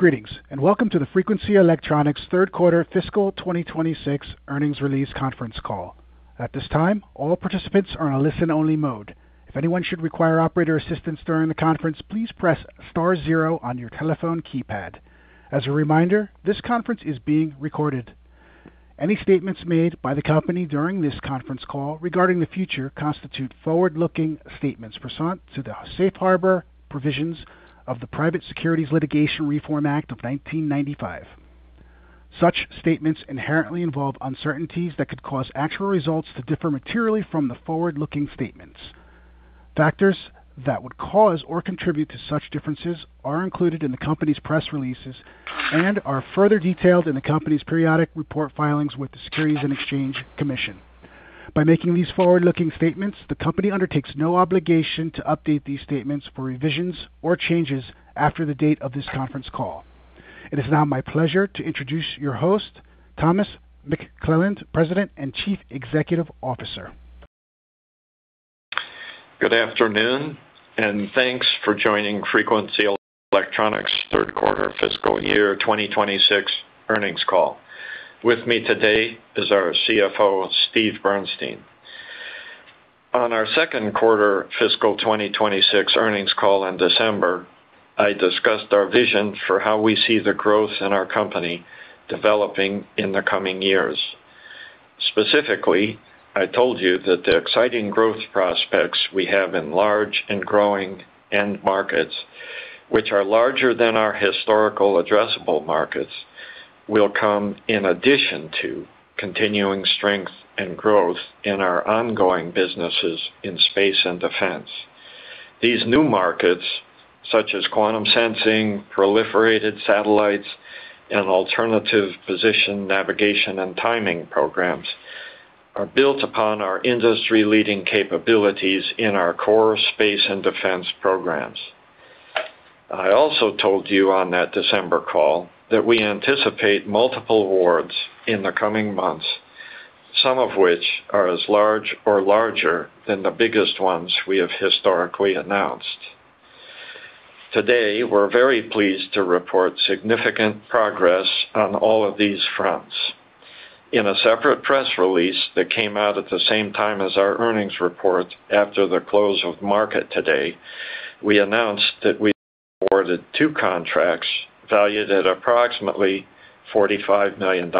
Greetings, and welcome to the Frequency Electronics third quarter fiscal 2026 earnings release conference call. At this time, all participants are on a listen-only mode. If anyone should require operator assistance during the conference, please press star zero on your telephone keypad. As a reminder, this conference is being recorded. Any statements made by the company during this conference call regarding the future constitute forward-looking statements pursuant to the safe harbor provisions of the Private Securities Litigation Reform Act of 1995. Such statements inherently involve uncertainties that could cause actual results to differ materially from the forward-looking statements. Factors that would cause or contribute to such differences are included in the company's press releases and are further detailed in the company's periodic report filings with the Securities and Exchange Commission. By making these forward-looking statements, the company undertakes no obligation to update these statements for revisions or changes after the date of this conference call. It is now my pleasure to introduce your host, Thomas McClelland, President and Chief Executive Officer. Good afternoon, and thanks for joining Frequency Electronics third quarter fiscal year 2026 earnings call. With me today is our CFO, Steve Bernstein. On our second quarter fiscal 2026 earnings call in December, I discussed our vision for how we see the growth in our company developing in the coming years. Specifically, I told you that the exciting growth prospects we have in large and growing end markets, which are larger than our historical addressable markets, will come in addition to continuing strength and growth in our ongoing businesses in space and defense. These new markets, such as quantum sensing, proliferated satellites, and alternative position, navigation, and timing programs, are built upon our industry-leading capabilities in our core space and defense programs. I also told you on that December call that we anticipate multiple awards in the coming months, some of which are as large or larger than the biggest ones we have historically announced. Today, we're very pleased to report significant progress on all of these fronts. In a separate press release that came out at the same time as our earnings report after the close of market today, we announced that we awarded two contracts valued at approximately $45 million.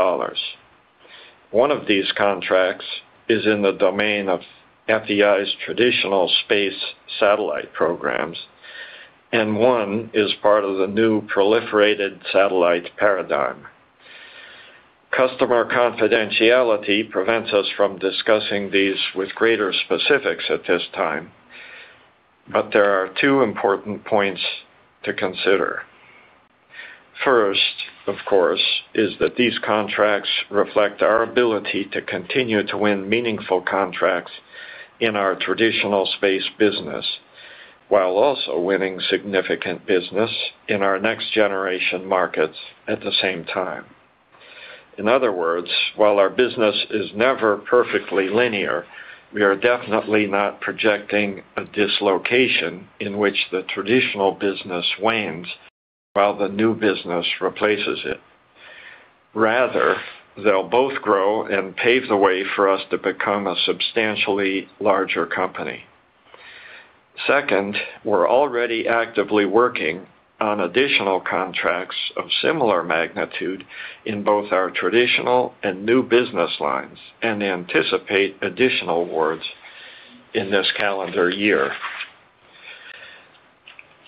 One of these contracts is in the domain of FEI's traditional space satellite programs, and one is part of the new proliferated satellite paradigm. Customer confidentiality prevents us from discussing these with greater specifics at this time, but there are two important points to consider. First, of course, is that these contracts reflect our ability to continue to win meaningful contracts in our traditional space business while also winning significant business in our next-generation markets at the same time. In other words, while our business is never perfectly linear, we are definitely not projecting a dislocation in which the traditional business wanes while the new business replaces it. Rather, they'll both grow and pave the way for us to become a substantially larger company. Second, we're already actively working on additional contracts of similar magnitude in both our traditional and new business lines and anticipate additional awards in this calendar year.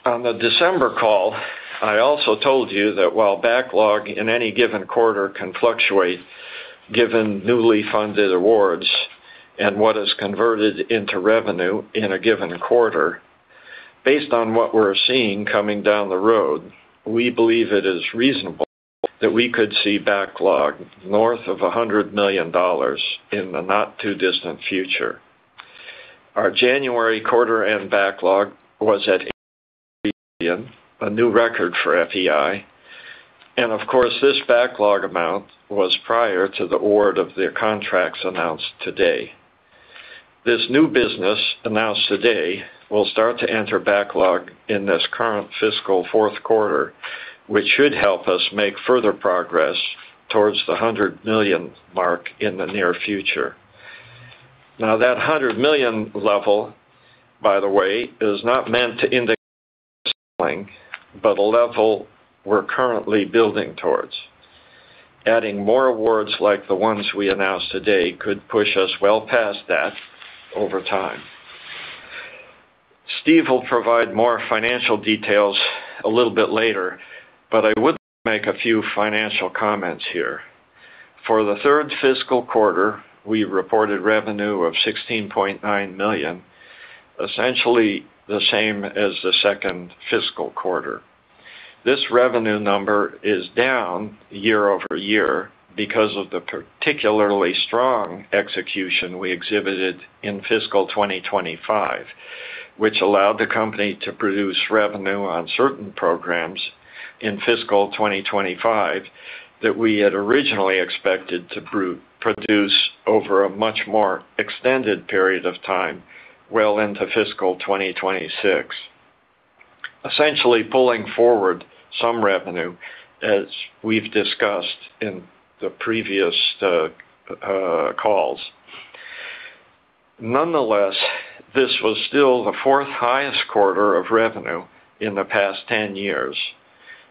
On the December call, I also told you that while backlog in any given quarter can fluctuate given newly funded awards and what is converted into revenue in a given quarter, based on what we're seeing coming down the road, we believe it is reasonable that we could see backlog north of $100 million in the not-too-distant future. Our January quarter end backlog was at a new record for FEI, and of course, this backlog amount was prior to the award of the contracts announced today. This new business announced today will start to enter backlog in this current fiscal fourth quarter, which should help us make further progress towards the $100 million mark in the near future. Now that $100 million level, by the way, is not meant to indicate, but a level we're currently building towards. Adding more awards like the ones we announced today could push us well past that over time. Steve will provide more financial details a little bit later, but I would make a few financial comments here. For the third fiscal quarter, we reported revenue of $16.9 million, essentially the same as the second fiscal quarter. This revenue number is down year-over-year because of the particularly strong execution we exhibited in fiscal 2025, which allowed the company to produce revenue on certain programs in fiscal 2025 that we had originally expected to produce over a much more extended period of time, well into fiscal 2026, essentially pulling forward some revenue, as we've discussed in the previous calls. Nonetheless, this was still the fourth highest quarter of revenue in the past 10 years,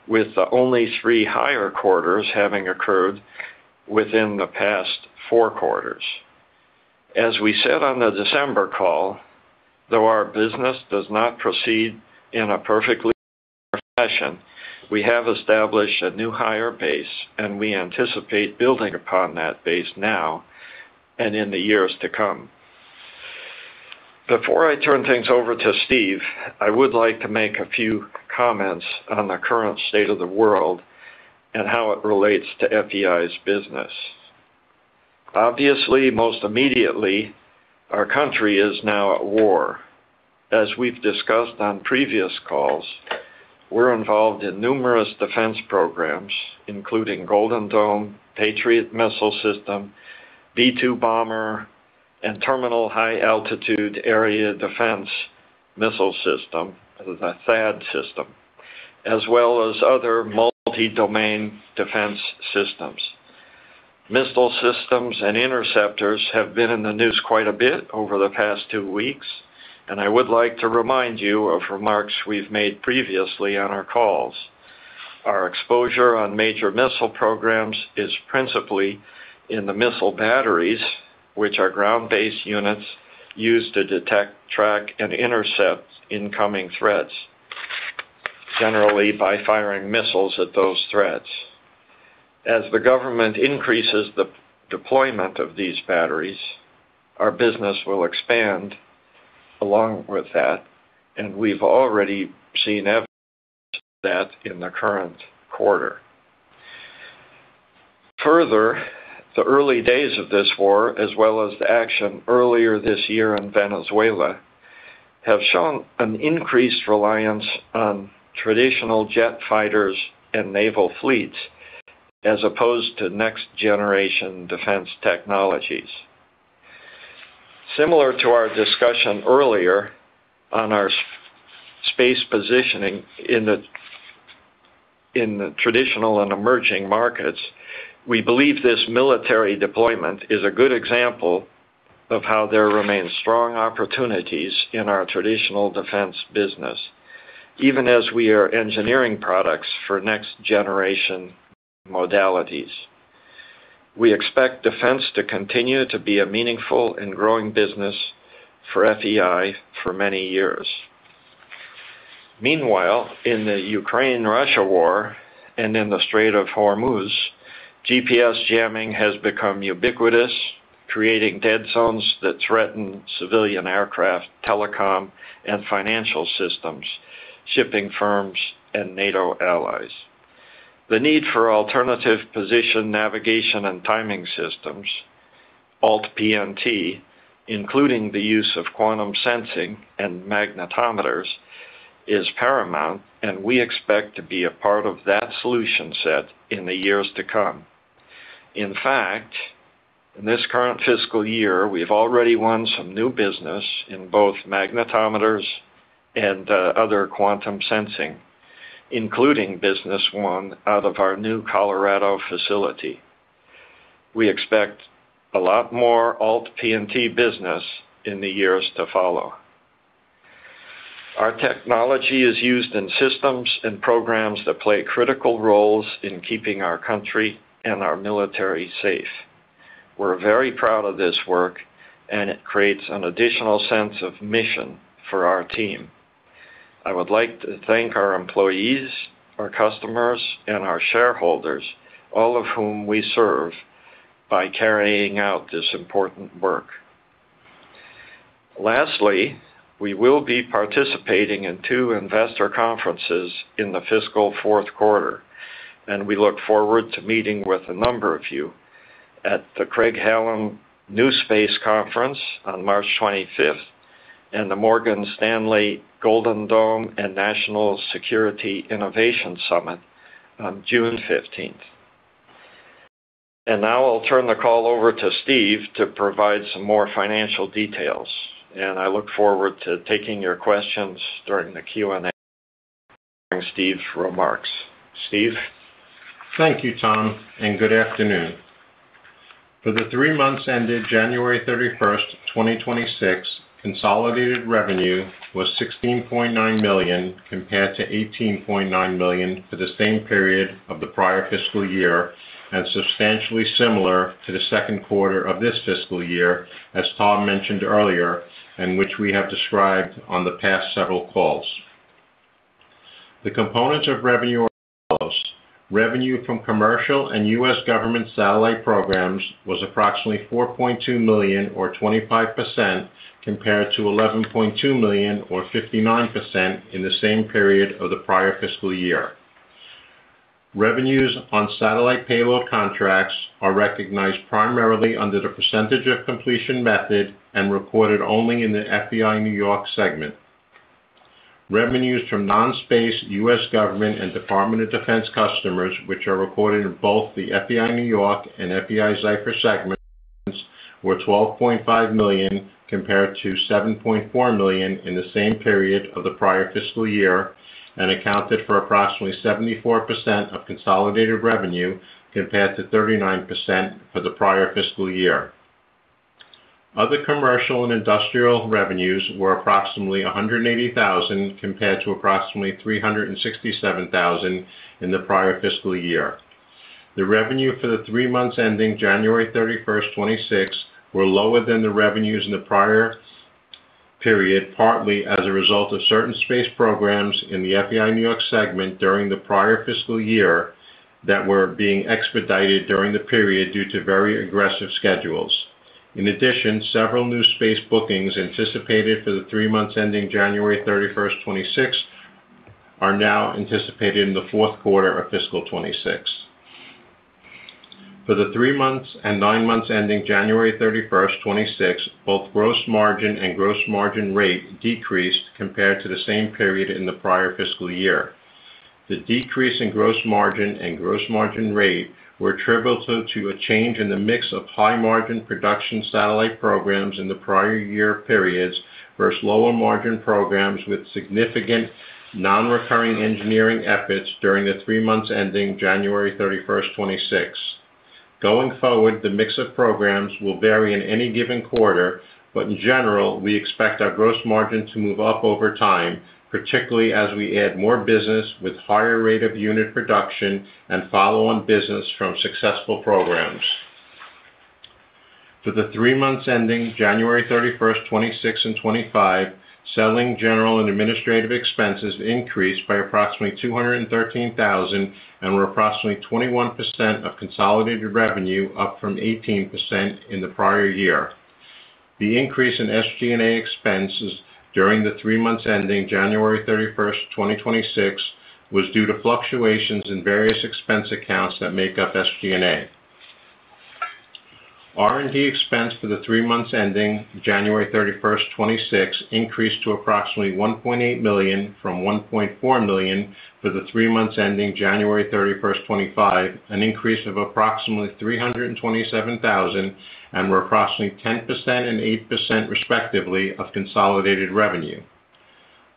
with the only three higher quarters having occurred within the past four quarters. As we said on the December call, though our business does not proceed in a perfect fashion, we have established a new higher base, and we anticipate building upon that base now and in the years to come. Before I turn things over to Steve, I would like to make a few comments on the current state of the world and how it relates to FEI's business. Obviously, most immediately, our country is now at war. As we've discussed on previous calls, we're involved in numerous defense programs, including Golden Dome, Patriot Missile system, B-2 Bomber, and Terminal High Altitude Area Defense missile system, the THAAD system, as well as other multi-domain defense systems. Missile systems and interceptors have been in the news quite a bit over the past two weeks, and I would like to remind you of remarks we've made previously on our calls. Our exposure on major missile programs is principally in the missile batteries, which are ground-based units used to detect, track, and intercept incoming threats, generally by firing missiles at those threats. As the government increases the deployment of these batteries, our business will expand along with that, and we've already seen evidence of that in the current quarter. Further, the early days of this war, as well as the action earlier this year in Venezuela, have shown an increased reliance on traditional jet fighters and naval fleets as opposed to next-generation defense technologies. Similar to our discussion earlier on our space positioning in the traditional and emerging markets, we believe this military deployment is a good example of how there remains strong opportunities in our traditional defense business, even as we are engineering products for next-generation modalities. We expect defense to continue to be a meaningful and growing business for FEI for many years. Meanwhile, in the Ukraine-Russia war and in the Strait of Hormuz, GPS jamming has become ubiquitous, creating dead zones that threaten civilian aircraft, telecom, and financial systems, shipping firms, and NATO allies. The need for alternative positioning, navigation, and timing systems, ALT-PNT, including the use of quantum sensing and magnetometers, is paramount, and we expect to be a part of that solution set in the years to come. In fact, in this current fiscal year, we've already won some new business in both magnetometers and other quantum sensing, including business won out of our new Colorado facility. We expect a lot more ALT-PNT business in the years to follow. Our technology is used in systems and programs that play critical roles in keeping our country and our military safe. We're very proud of this work, and it creates an additional sense of mission for our team. I would like to thank our employees, our customers, and our shareholders, all of whom we serve by carrying out this important work. Lastly, we will be participating in two investor conferences in the fiscal fourth quarter, and we look forward to meeting with a number of you at the Craig-Hallum NewSpace Conference on March 25th and the Morgan Stanley Golden Dome and National Security Innovation Summit on June 15th. Now I'll turn the call over to Steve to provide some more financial details, and I look forward to taking your questions during the Q&A following Steve's remarks. Steve? Thank you, Tom, and good afternoon. For the three months ended January 31, 2026, consolidated revenue was $16.9 million compared to $18.9 million for the same period of the prior fiscal year and substantially similar to the second quarter of this fiscal year, as Tom mentioned earlier, and which we have described on the past several calls. The components of revenue are those. Revenue from commercial and U.S. government satellite programs was approximately $4.2 million or 25% compared to $11.2 million or 59% in the same period of the prior fiscal year. Revenues on satellite payload contracts are recognized primarily under the percentage of completion method and reported only in the FEI N.Y. segment. Revenues from non-space U.S. government and Department of Defense customers, which are recorded in both the FEI N.Y. and FEI-Zyfer segments, were $12.5 million compared to $7.4 million in the same period of the prior fiscal year and accounted for approximately 74% of consolidated revenue, compared to 39% for the prior fiscal year. Other commercial and industrial revenues were approximately $180 thousand compared to approximately $367 thousand in the prior fiscal year. The revenue for the three months ending January 31st, 2026 were lower than the revenues in the prior period, partly as a result of certain space programs in the FEI N.Y. segment during the prior fiscal year that were being expedited during the period due to very aggressive schedules. In addition, several new space bookings anticipated for the three months ending January 31st, 2026 are now anticipated in the fourth quarter of fiscal 2026. For the three months and nine months ending January 31st, 2026, both gross margin and gross margin rate decreased compared to the same period in the prior fiscal year. The decrease in gross margin and gross margin rate were attributable to a change in the mix of high margin production satellite programs in the prior year periods versus lower margin programs with significant non-recurring engineering efforts during the three months ending January 31st, 2026. Going forward, the mix of programs will vary in any given quarter, but in general, we expect our gross margin to move up over time, particularly as we add more business with higher rate of unit production and follow on business from successful programs. For the three months ending January 31st, 2026 and 2025, Selling, General, and Administrative expenses increased by approximately $213 thousand and were approximately 21% of consolidated revenue, up from 18% in the prior year. The increase in SG&A expenses during the three months ending January 31st, 2026 was due to fluctuations in various expense accounts that make up SG&A. R&D expense for the three months ending January 31st, 2026 increased to approximately $1.8 million from $1.4 million for the three months ending January 31st, 2025, an increase of approximately $327,000, and were approximately 10% and 8% respectively of consolidated revenue.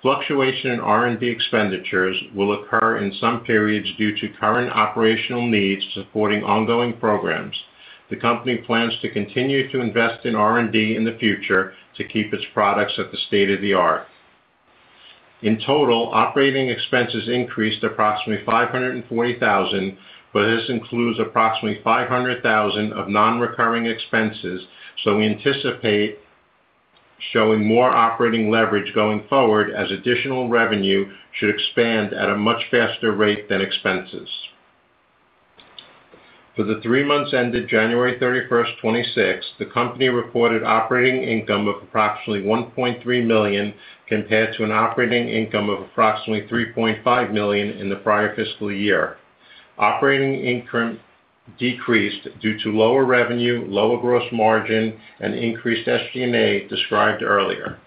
Fluctuation in R&D expenditures will occur in some periods due to current operational needs supporting ongoing programs. The company plans to continue to invest in R&D in the future to keep its products at the state of the art. In total, operating expenses increased approximately $540,000, but this includes approximately $500,000 of non-recurring expenses, so we anticipate showing more operating leverage going forward as additional revenue should expand at a much faster rate than expenses. For the three months ended January 31st, 2026, the company reported operating income of approximately $1.3 million compared to an operating income of approximately $3.5 million in the prior fiscal year. Operating income decreased due to lower revenue, lower gross margin, and increased SG&A described earlier.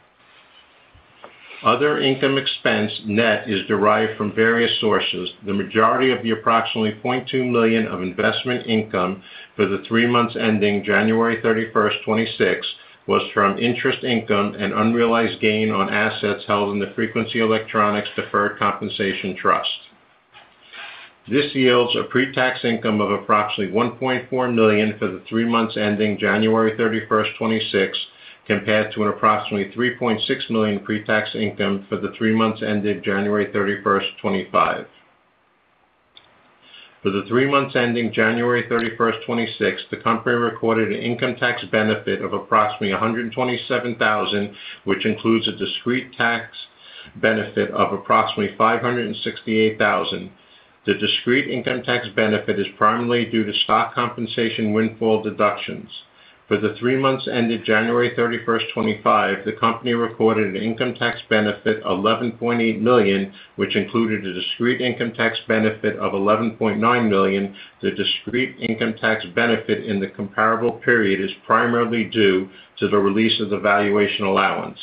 Other income expense net is derived from various sources. The majority of the approximately $0.2 million of investment income for the three months ending January 31st, 2026 was from interest income and unrealized gain on assets held in the Frequency Electronics deferred compensation trust. This yields a pre-tax income of approximately $1.4 million for the three months ending January 31st, 2026, compared to an approximately $3.6 million pre-tax income for the three months ending January 31st, 2025. For the three months ending January 31st, 2026, the company recorded an income tax benefit of approximately $127 thousand, which includes a discrete tax benefit of approximately $568 thousand. The discrete income tax benefit is primarily due to stock compensation windfall deductions. For the three months ended January 31st, 2025, the company recorded an income tax benefit of $11.8 million, which included a discrete income tax benefit of $11.9 million. The discrete income tax benefit in the comparable period is primarily due to the release of the valuation allowance.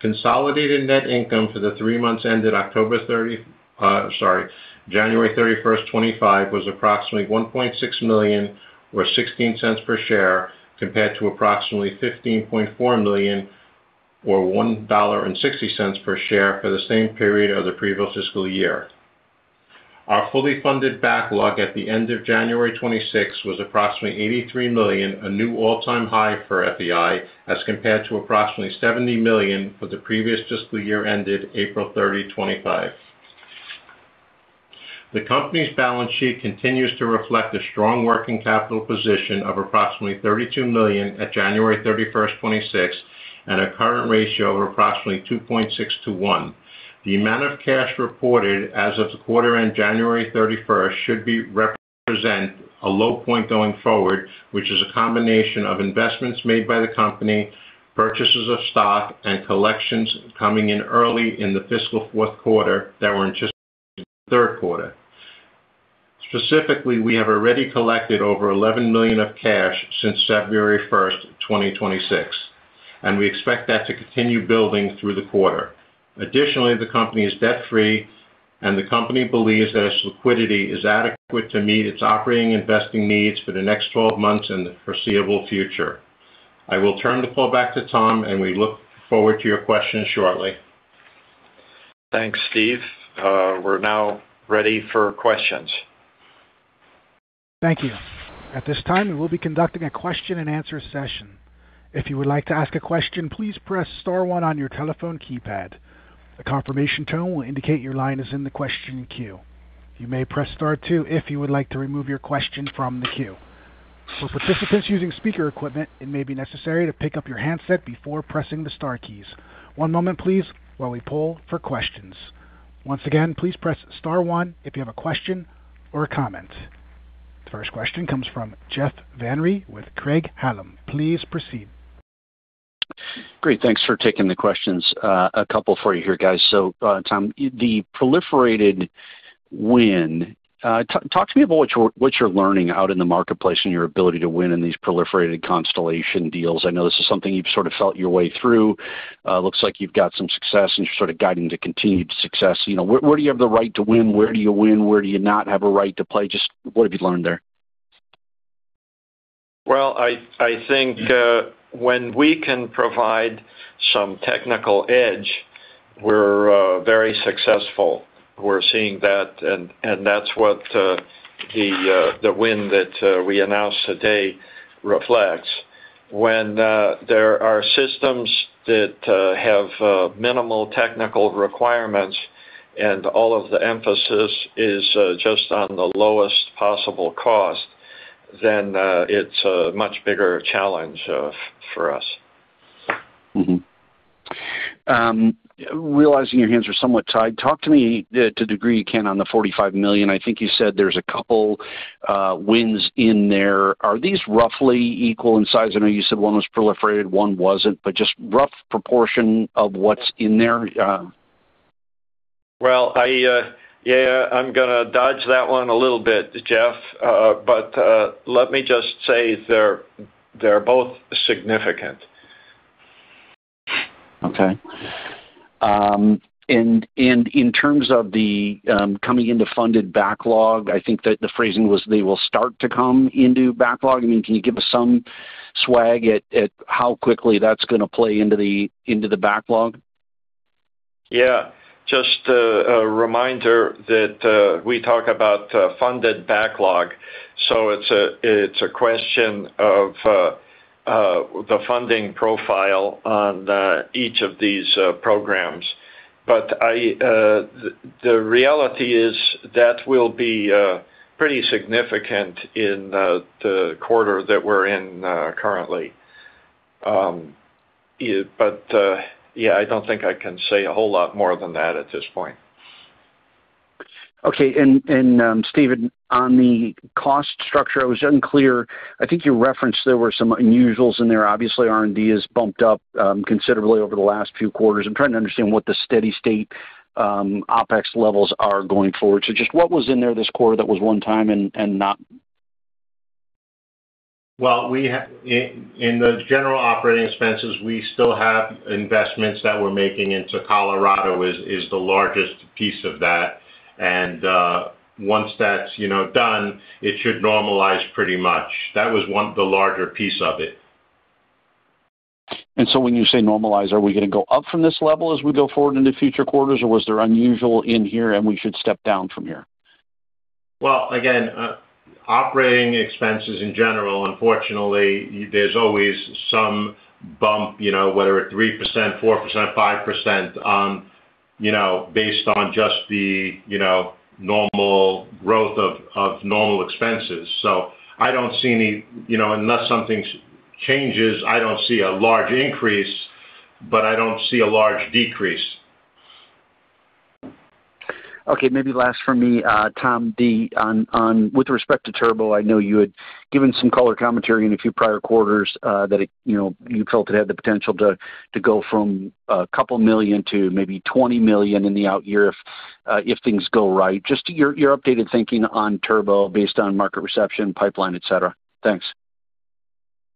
Consolidated net income for the three months ended January 31st, 2025 was approximately $1.6 million or $0.16 per share, compared to approximately $15.4 million or $1.60 per share for the same period of the previous fiscal year. Our fully funded backlog at the end of January 2026 was approximately $83 million, a new all-time high for FEI, as compared to approximately $70 million for the previous fiscal year ended April 30, 2025. The company's balance sheet continues to reflect a strong working capital position of approximately $32 million at January 31st, 2026, and a current ratio of approximately 2.6 to 1. The amount of cash reported as of the quarter end January 31st, 2026 should represent a low point going forward, which is a combination of investments made by the company, purchases of stock, and collections coming in early in the fiscal fourth quarter that were anticipated in the third quarter. Specifically, we have already collected over $11 million of cash since February 1st, 2026, and we expect that to continue building through the quarter. Additionally, the company is debt free, and the company believes that its liquidity is adequate to meet its operating investing needs for the next 12 months in the foreseeable future. I will turn the call back to Tom, and we look forward to your questions shortly. Thanks, Steve. We're now ready for questions. Thank you. At this time, we will be conducting a question-and-answer session. If you would like to ask a question, please press star one on your telephone keypad. A confirmation tone will indicate your line is in the question queue. You may press star two if you would like to remove your question from the queue. For participants using speaker equipment, it may be necessary to pick up your handset before pressing the star keys. One moment please while we poll for questions. Once again, please press star one if you have a question or a comment. The first question comes from Jeff Van Riel with Craig-Hallum. Please proceed. Great. Thanks for taking the questions. A couple for you here, guys. Tom, the proliferated win, talk to me about what you're learning out in the marketplace and your ability to win in these proliferated constellation deals. I know this is something you've sort of felt your way through. Looks like you've got some success, and you're sort of guiding to continued success. Where do you have the right to win? Where do you win? Where do you not have a right to play? Just what have you learned there? Well, I think when we can provide some technical edge, we're very successful. We're seeing that, and that's what the win that we announced today reflects. When there are systems that have minimal technical requirements and all of the emphasis is just on the lowest possible cost, then it's a much bigger challenge for us. Realizing your hands are somewhat tied, talk to me to the degree you can on the $45 million. I think you said there's a couple wins in there. Are these roughly equal in size? I know you said one was proliferated, one wasn't, but just rough proportion of what's in there. Well, I yeah, I'm gonna dodge that one a little bit, Jeff. Let me just say they're both significant. Okay. In terms of the coming into funded backlog, I think that the phrasing was they will start to come into backlog. I mean, can you give us some swag at how quickly that's gonna play into the backlog? Yeah. Just a reminder that we talk about funded backlog, so it's a question of the funding profile on each of these programs. The reality is that will be pretty significant in the quarter that we're in currently. Yeah, I don't think I can say a whole lot more than that at this point. Steven, on the cost structure, I was unclear. I think you referenced there were some unusuals in there. Obviously, R&D has bumped up considerably over the last few quarters. I'm trying to understand what the steady-state OpEx levels are going forward. Just what was in there this quarter that was one time and not? Well, we have in the general operating expenses, we still have investments that we're making into Colorado is the largest piece of that. Once that's, you know, done, it should normalize pretty much. That was one, the larger piece of it. When you say normalize, are we gonna go up from this level as we go forward into future quarters, or was there unusual in here, and we should step down from here? Well, again, operating expenses in general, unfortunately, there's always some bump, you know, whether at 3%, 4%, 5%, you know, based on just the, you know, normal growth of normal expenses. So I don't see any, you know, unless something changes, I don't see a large increase, but I don't see a large decrease. Okay, maybe last for me, Tom. On with respect to TURbO, I know you had given some color commentary in a few prior quarters, that it, you know, you felt it had the potential to go from a couple million to maybe $20 million in the out year if things go right. Just your updated thinking on TURbO based on market reception, pipeline, et cetera. Thanks.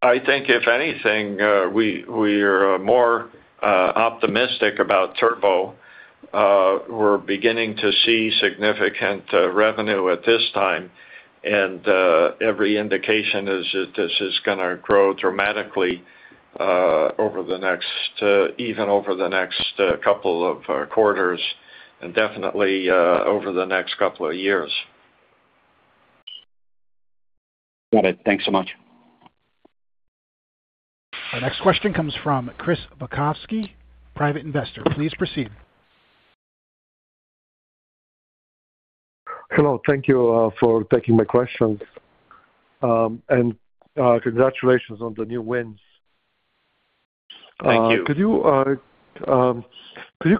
I think, if anything, we are more optimistic about TURbO. We're beginning to see significant revenue at this time, and every indication is that this is gonna grow dramatically over the next, even over the next couple of quarters and definitely over the next couple of years. Got it. Thanks so much. Our next question comes from Chris Witkowsky, private investor. Please proceed. Hello. Thank you for taking my questions. Congratulations on the new wins. Thank you. Could you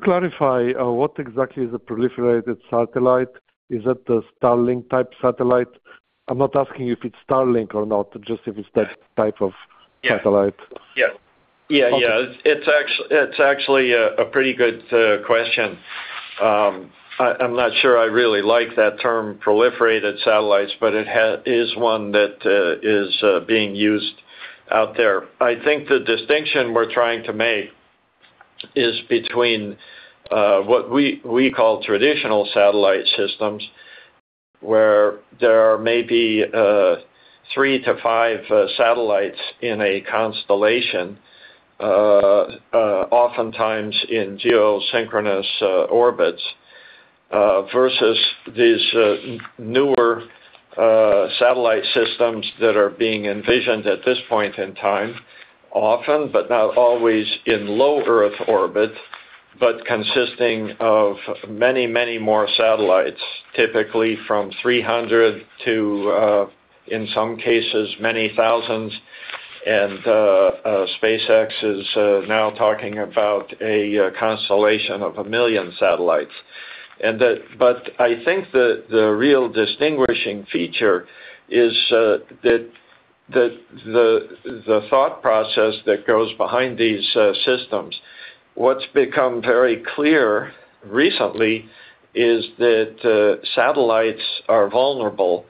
clarify what exactly is a proliferated satellite? Is that the Starlink type satellite? I'm not asking you if it's Starlink or not, just if it's that type of satellite. Yeah. It's actually a pretty good question. I'm not sure I really like that term proliferated satellites, but it is one that is being used out there. I think the distinction we're trying to make is between what we call traditional satellite systems, where there are maybe 3-5 satellites in a constellation, oftentimes in geosynchronous orbits, versus these newer satellite systems that are being envisioned at this point in time, often, but not always in low Earth orbit, but consisting of many, many more satellites, typically from 300 to, in some cases, many thousands. SpaceX is now talking about a constellation of 1 million satellites. I think the real distinguishing feature is that the thought process that goes behind these systems, what's become very clear recently is that satellites are vulnerable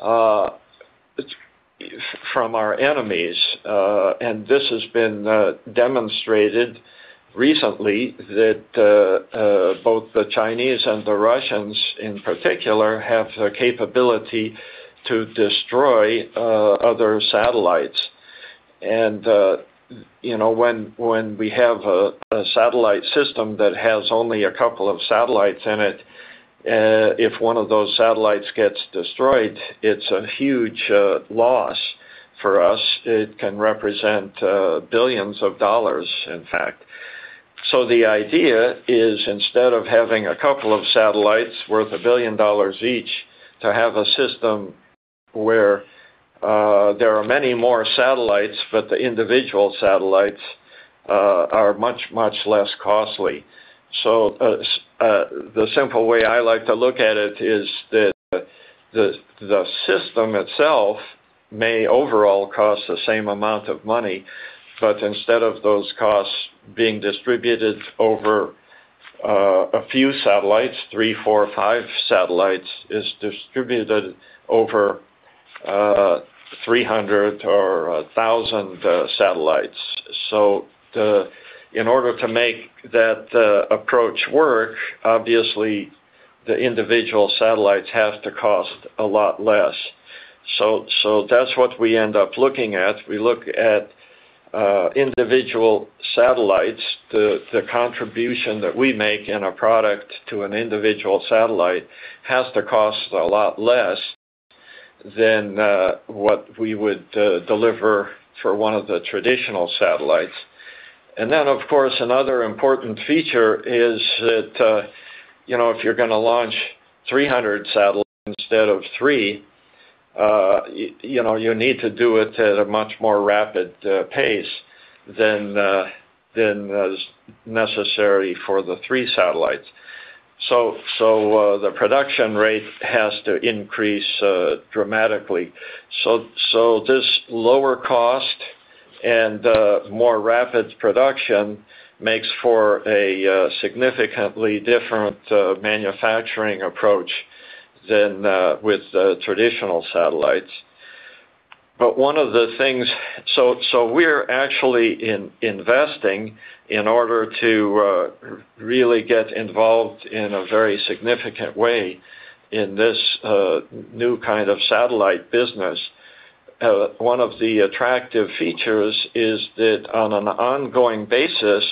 from our enemies. This has been demonstrated recently that both the Chinese and the Russians, in particular, have the capability to destroy other satellites. When we have a satellite system that has only a couple of satellites in it, if one of those satellites gets destroyed, it's a huge loss for us. It can represent $ billions, in fact. The idea is instead of having a couple of satellites worth $1 billion each to have a system where there are many more satellites, but the individual satellites are much, much less costly. The simple way I like to look at it is that the system itself may overall cost the same amount of money, but instead of those costs being distributed over a few satellites, three, four, five satellites is distributed over 300 or 1,000 satellites. In order to make that approach work, obviously, the individual satellites have to cost a lot less. That's what we end up looking at. We look at individual satellites. The contribution that we make in a product to an individual satellite has to cost a lot less than what we would deliver for one of the traditional satellites. Then, of course, another important feature is that if you're going to launch 300 satellites instead of three, you need to do it at a much more rapid pace than is necessary for the three satellites. The production rate has to increase dramatically. This lower cost and more rapid production makes for a significantly different manufacturing approach than with traditional satellites. One of the things, so we're actually investing in order to really get involved in a very significant way in this new kind of satellite business. One of the attractive features is that on an ongoing basis,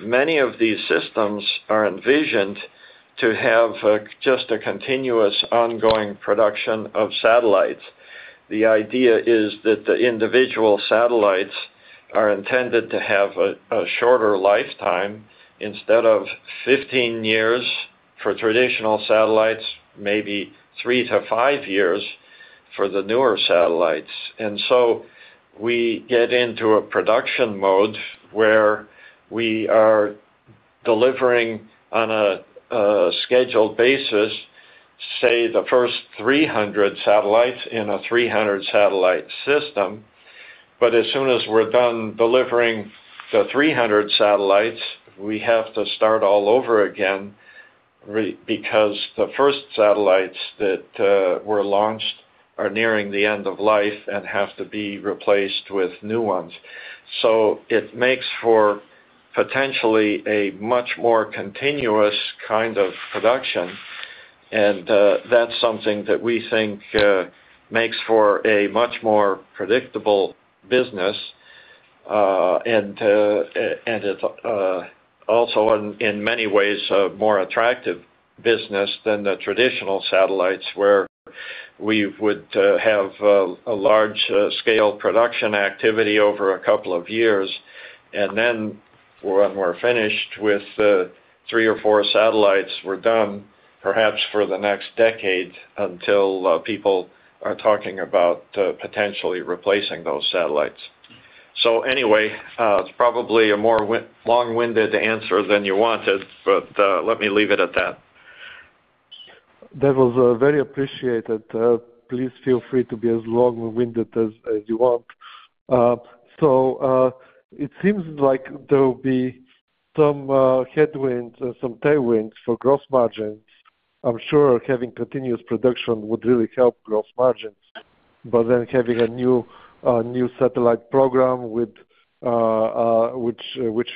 many of these systems are envisioned to have just a continuous ongoing production of satellites. The idea is that the individual satellites are intended to have a shorter lifetime instead of 15 years for traditional satellites, maybe 3-5 years for the newer satellites. We get into a production mode where we are delivering on a scheduled basis, say, the first 300 satellites in a 300-satellite system. As soon as we're done delivering the 300 satellites, we have to start all over again because the first satellites that were launched are nearing the end of life and have to be replaced with new ones. It makes for potentially a much more continuous kind of production. That's something that we think makes for a much more predictable business. It's also in many ways a more attractive business than the traditional satellites, where we would have a large scale production activity over a couple of years. Then when we're finished with three or four satellites, we're done perhaps for the next decade until people are talking about potentially replacing those satellites. Anyway, it's probably a more long-winded answer than you wanted, but let me leave it at that. That was very appreciated. Please feel free to be as long-winded as you want. It seems like there will be some headwinds and some tailwinds for gross margins. I'm sure having continuous production would really help gross margins. Having a new satellite program which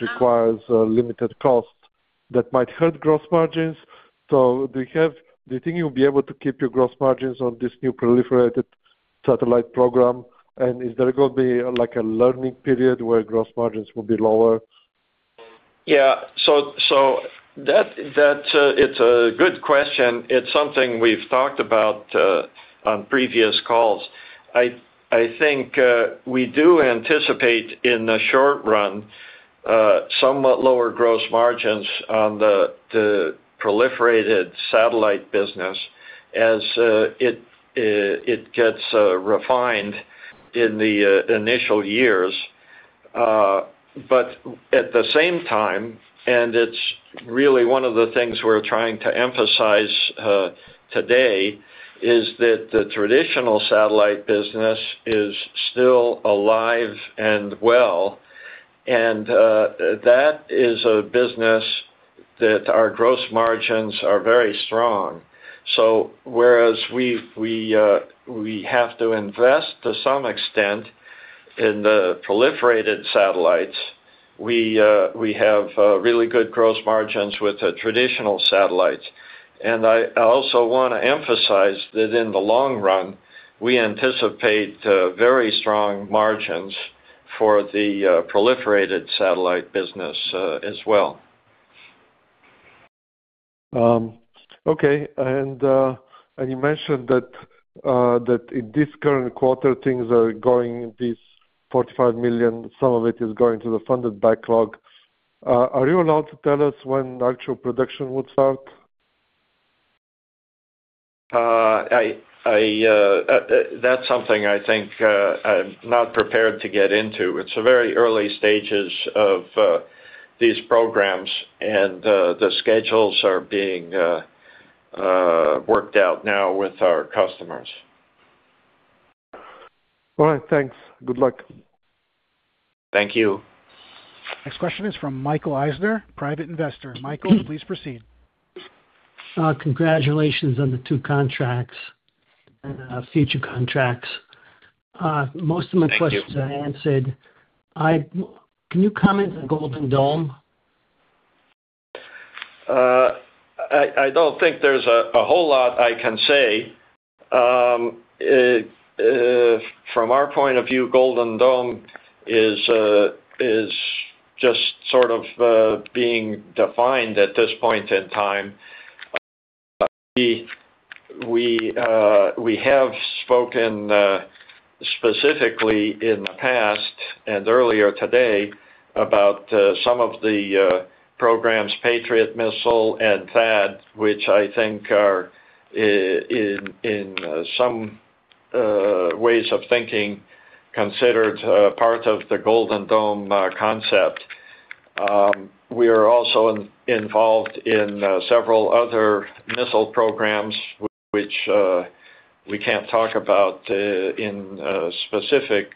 requires limited costs that might hurt gross margins. Do you think you'll be able to keep your gross margins on this new proliferated satellite program? Is there gonna be like a learning period where gross margins will be lower? It's a good question. It's something we've talked about on previous calls. I think we do anticipate in the short run somewhat lower gross margins on the proliferated satellite business as it gets refined in the initial years. But at the same time, and it's really one of the things we're trying to emphasize today, is that the traditional satellite business is still alive and well. That is a business that our gross margins are very strong. Whereas we have to invest to some extent in the proliferated satellites, we have really good gross margins with the traditional satellites. I also wanna emphasize that in the long run, we anticipate very strong margins for the proliferated satellite business, as well. Okay. You mentioned that in this current quarter, things are going, this $45 million, some of it is going to the funded backlog. Are you allowed to tell us when actual production would start? That's something I think I'm not prepared to get into. It's very early stages of these programs, and the schedules are being worked out now with our customers. All right, thanks. Good luck. Thank you. Next question is from Michael Eisner, Private Investor. Michael, please proceed. Congratulations on the two contracts and future contracts. Thank you. Most of my questions are answered. Can you comment on Golden Dome? I don't think there's a whole lot I can say. From our point of view, Golden Dome is just sort of being defined at this point in time. We have spoken specifically in the past and earlier today about some of the programs, Patriot Missile and THAAD, which I think are in some ways of thinking considered part of the Golden Dome concept. We are also involved in several other missile programs which we can't talk about in specific,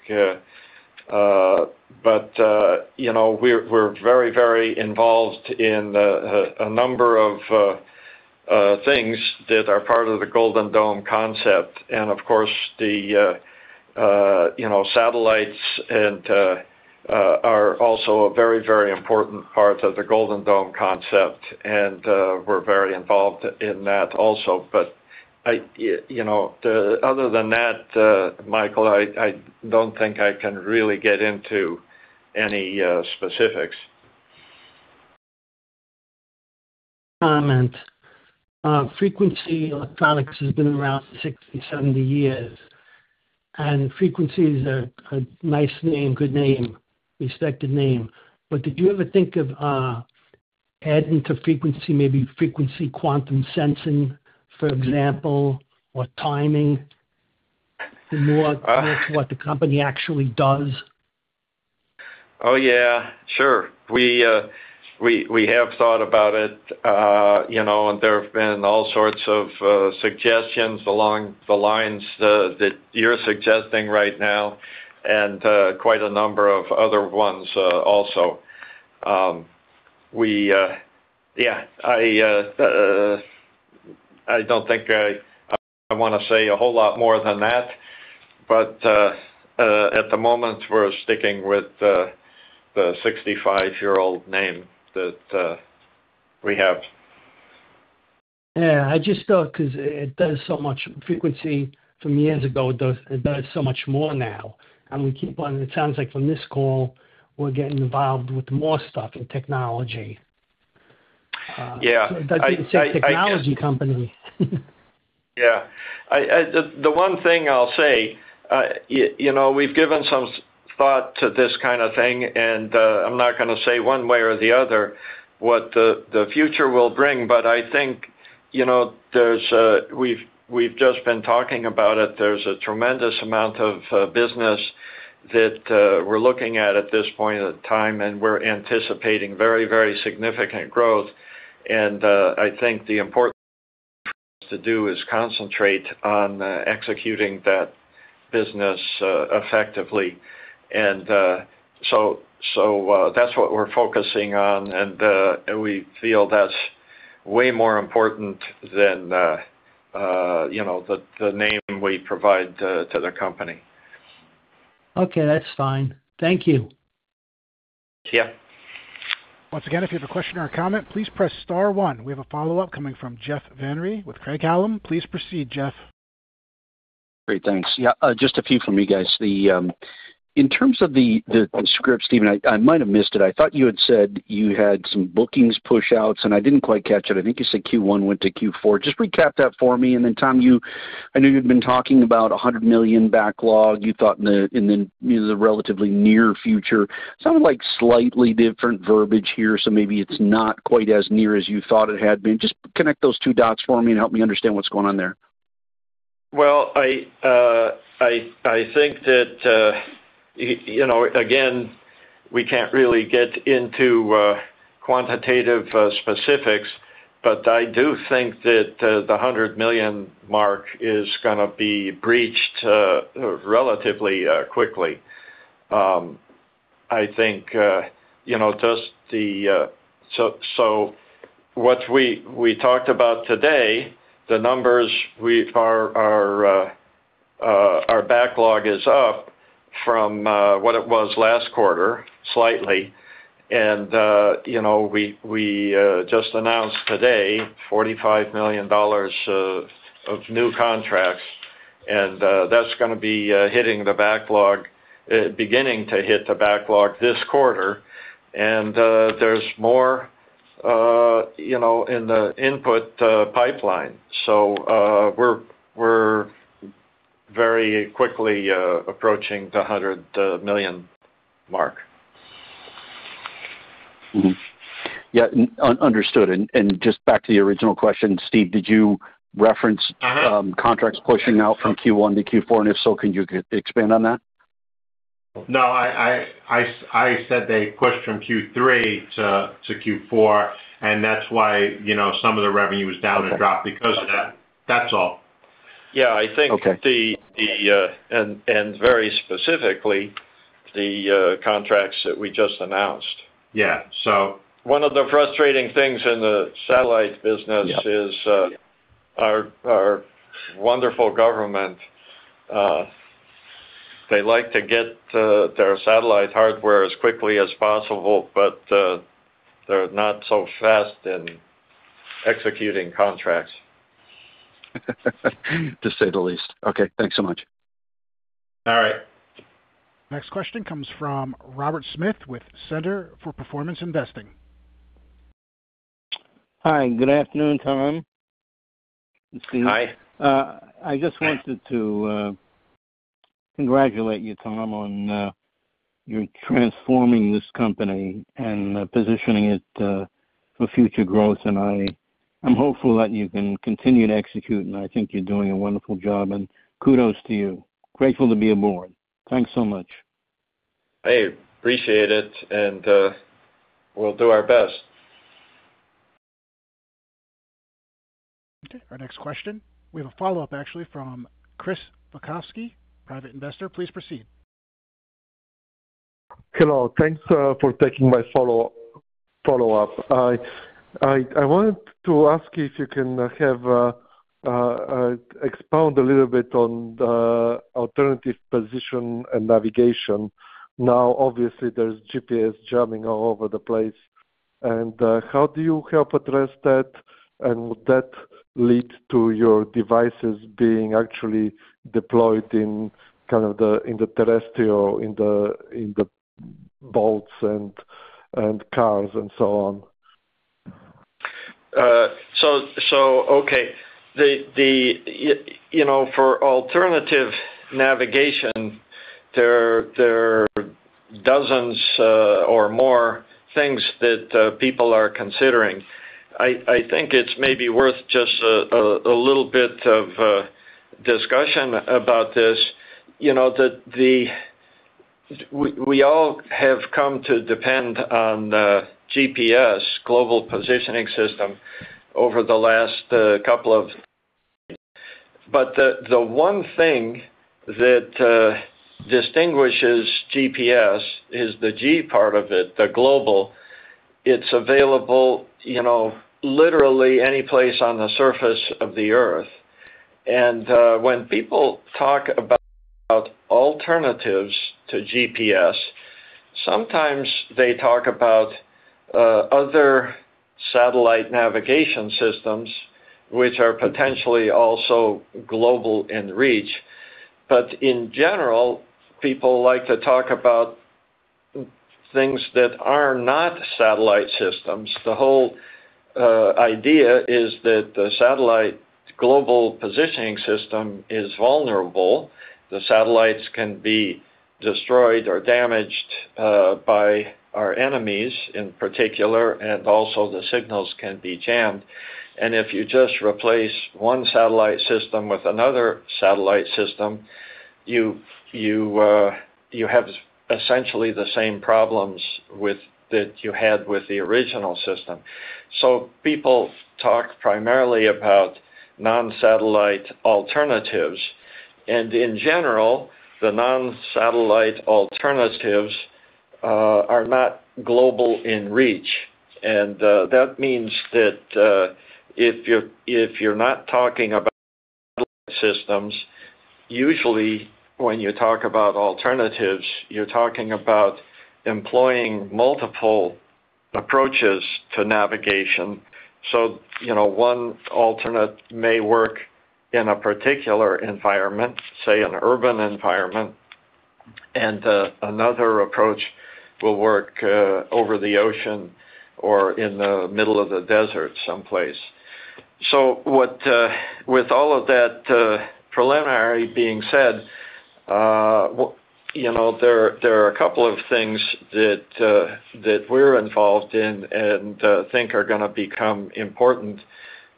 but you know, we're very involved in a number of things that are part of the Golden Dome concept. Of course, you know, satellites and are also a very important part of the Golden Dome concept. We're very involved in that also. I, you know, other than that, Michael, I don't think I can really get into any specifics. Frequency Electronics has been around 60, 70 years, and Frequency is a nice name, good name, respected name. Did you ever think of adding to Frequency, maybe frequency Quantum Sensing, for example, or timing, more. Uh. to what the company actually does? Sure. We have thought about it. You know, there have been all sorts of suggestions along the lines that you're suggesting right now and quite a number of other ones also. I don't think I wanna say a whole lot more than that, but at the moment, we're sticking with the 65-year-old name that we have. Yeah. I just thought 'cause it does so much. Frequency from years ago, it does so much more now. It sounds like from this call, we're getting involved with more stuff in technology. Yeah. I guess. It's a technology company. Yeah. The one thing I'll say, you know, we've given some thought to this kinda thing, and I'm not gonna say one way or the other what the future will bring, but I think, you know, there's we've just been talking about it. There's a tremendous amount of business that we're looking at at this point in time, and we're anticipating very, very significant growth. I think the important thing to do is concentrate on executing that business effectively. So that's what we're focusing on. We feel that's way more important than, you know, the name we provide to the company. Okay, that's fine. Thank you. Yeah. Once again, if you have a question or a comment, please press star one. We have a follow-up coming from Jeff Van Riel with Craig-Hallum. Please proceed, Jeff. Great. Thanks. Yeah, just a few from you guys. In terms of the script, Steven, I might have missed it. I thought you had said you had some bookings push outs, and I didn't quite catch it. I think you said Q1 went to Q4. Just recap that for me. Tom, I know you've been talking about a $100 million backlog. You thought in the relatively near future. Sounded like slightly different verbiage here, so maybe it's not quite as near as you thought it had been. Just connect those two dots for me and help me understand what's going on there. Well, I think that, you know, again, we can't really get into quantitative specifics, but I do think that the $100 million mark is gonna be breached relatively quickly. I think, you know, just the what we talked about today, our backlog is up from what it was last quarter, slightly. You know, we just announced today $45 million of new contracts, and that's gonna be hitting the backlog, beginning to hit the backlog this quarter. There's more, you know, in the pipeline. We're very quickly approaching the $100 million mark. Yeah, understood. Just back to the original question, Steve, did you reference? Uh-huh. Contracts pushing out from Q1 to Q4? If so, can you expand on that? No, I said they pushed from Q3 to Q4, and that's why, you know, some of the revenue is down or dropped because of that. That's all. Yeah, I think. Okay. Very specifically, the contracts that we just announced. Yeah. One of the frustrating things in the satellite business. Yeah. Our wonderful government, they like to get their satellite hardware as quickly as possible, but they're not so fast in executing contracts. To say the least. Okay, thanks so much. All right. Next question comes from Robert Smith with Center for Performance Investing. Hi, good afternoon, Tom. Hi. I just wanted to congratulate you, Tom, on your transforming this company and positioning it for future growth. I'm hopeful that you can continue to execute, and I think you're doing a wonderful job. Kudos to you. Grateful to be aboard. Thanks so much. I appreciate it, and, we'll do our best. Okay, our next question. We have a follow-up, actually, from Chris Witkowsky, Private Investor. Please proceed. Hello. Thanks for taking my follow-up. I wanted to ask you if you can expound a little bit on the alternative positioning and navigation. Now, obviously, there's GPS jamming all over the place. How do you help address that? Would that lead to your devices being actually deployed in kind of the boats and cars and so on? You know, for alternative navigation, there are dozens or more things that people are considering. I think it's maybe worth just a little bit of discussion about this. You know, we all have come to depend on GPS, Global Positioning System, over the last couple of. The one thing that distinguishes GPS is the G part of it, the global. It's available, you know, literally any place on the surface of the Earth. When people talk about alternatives to GPS, sometimes they talk about other satellite navigation systems which are potentially also global in reach. In general, people like to talk about things that are not satellite systems. The whole idea is that the satellite Global Positioning System is vulnerable. The satellites can be destroyed or damaged by our enemies in particular, and also the signals can be jammed. If you just replace one satellite system with another satellite system, you have essentially the same problems with that you had with the original system. People talk primarily about non-satellite alternatives, and in general, the non-satellite alternatives are not global in reach. That means that if you're not talking about systems, usually when you talk about alternatives, you're talking about employing multiple approaches to navigation. You know, one alternate may work in a particular environment, say an urban environment, and another approach will work over the ocean or in the middle of the desert someplace. With all of that preliminary being said, you know, there are a couple of things that we're involved in and think are gonna become important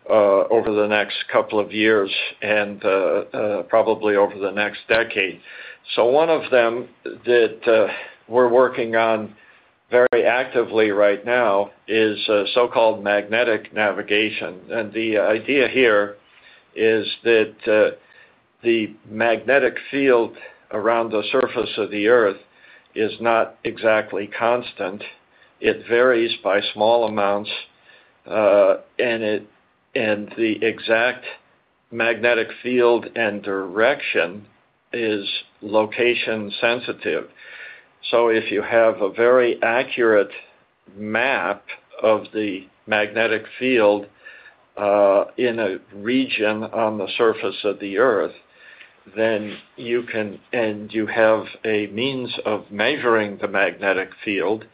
over the next couple of years and probably over the next decade. One of them that we're working on very actively right now is so-called magnetic navigation. The idea here is that the magnetic field around the surface of the Earth is not exactly constant. It varies by small amounts and the exact magnetic field and direction is location sensitive. If you have a very accurate map of the magnetic field in a region on the surface of the Earth, then you can. You have a means of measuring the magnetic field,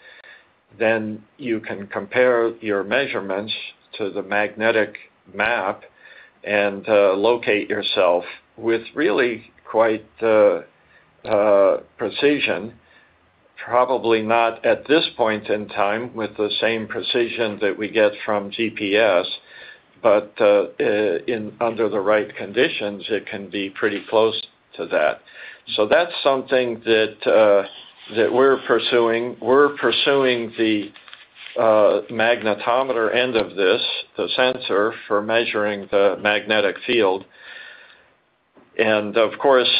then you can compare your measurements to the magnetic map and locate yourself with really quite precision. Probably not at this point in time with the same precision that we get from GPS, but under the right conditions, it can be pretty close to that. That's something that we're pursuing. We're pursuing the magnetometer end of this, the sensor for measuring the magnetic field. Of course,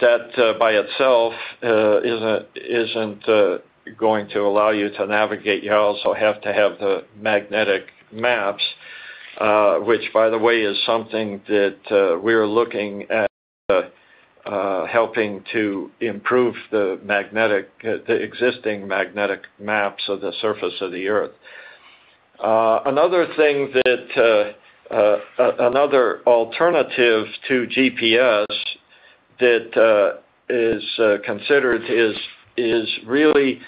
that by itself isn't going to allow you to navigate. You also have to have the magnetic maps, which, by the way, is something that we're looking at helping to improve, the existing magnetic maps of the surface of the Earth. Another thing that another alternative to GPS that is considered is really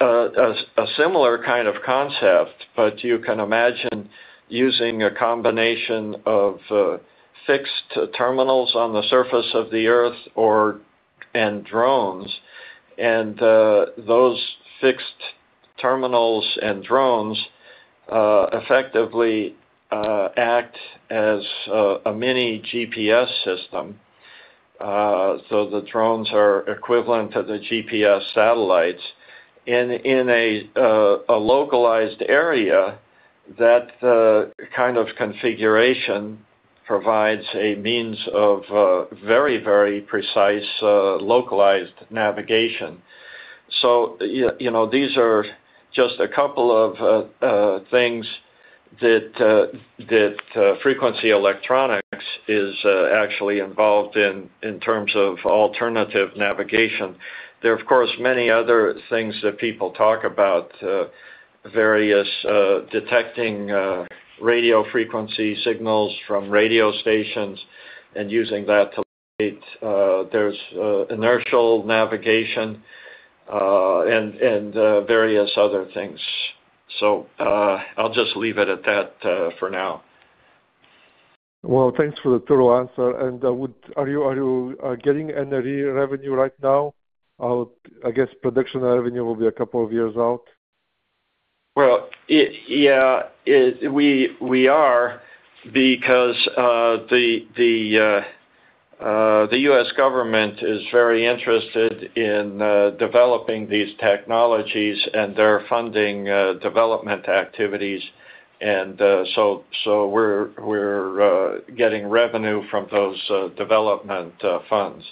a similar kind of concept, but you can imagine using a combination of fixed terminals on the surface of the Earth or and drones. Those fixed terminals and drones effectively act as a mini GPS system. The drones are equivalent to the GPS satellites. In a localized area, that kind of configuration provides a means of very precise localized navigation. You know, these are just a couple of things that Frequency Electronics is actually involved in terms of alternative navigation. There are, of course, many other things that people talk about, various detecting radio frequency signals from radio stations and using that to locate. There's inertial navigation and various other things. I'll just leave it at that for now. Well, thanks for the thorough answer. Are you getting any revenue right now? Or I guess production revenue will be a couple of years out. Well, yeah. We are because the U.S. government is very interested in developing these technologies and they're funding development activities. So we're getting revenue from those development funds.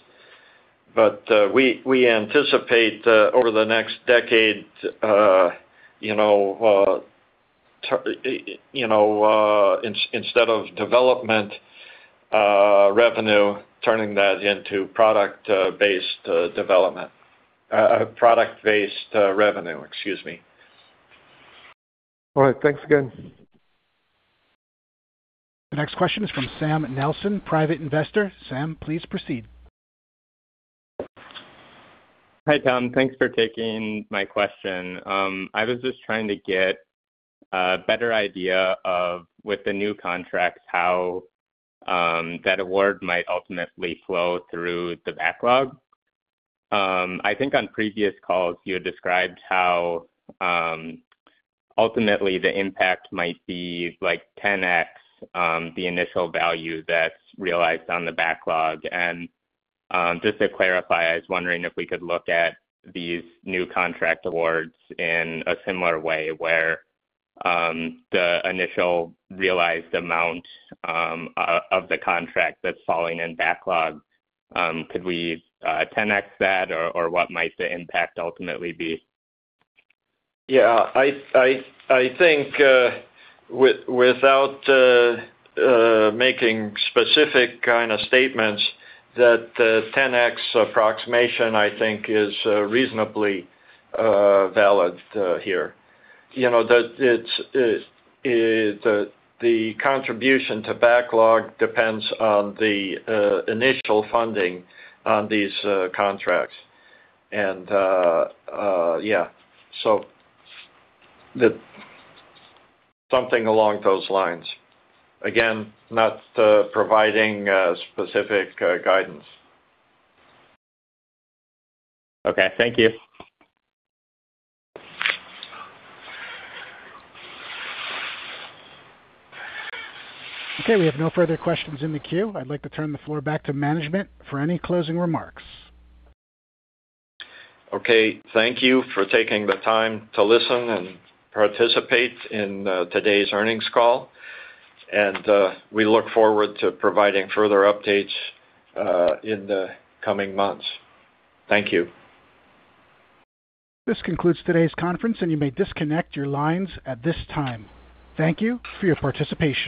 We anticipate over the next decade, you know, instead of development revenue, turning that into product-based development. Product-based revenue, excuse me. All right. Thanks again. The next question is from Sam Nelson, Private Investor. Sam, please proceed. Hi, Tom. Thanks for taking my question. I was just trying to get a better idea of, with the new contracts, how that award might ultimately flow through the backlog. I think on previous calls, you had described how ultimately the impact might be like 10x the initial value that's realized on the backlog. Just to clarify, I was wondering if we could look at these new contract awards in a similar way where the initial realized amount of the contract that's falling in backlog could we 10x that or what might the impact ultimately be? I think without making specific kind of statements, that the 10x approximation, I think, is reasonably valid here. You know, it's the contribution to backlog depends on the initial funding on these contracts. Yeah. Something along those lines. Again, not providing specific guidance. Okay. Thank you. Okay. We have no further questions in the queue. I'd like to turn the floor back to management for any closing remarks. Okay. Thank you for taking the time to listen and participate in today's earnings call, and we look forward to providing further updates in the coming months. Thank you. This concludes today's conference, and you may disconnect your lines at this time. Thank you for your participation.